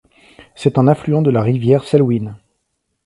C’est un affluent de la rivière Selwyn.